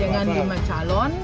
dengan lima calon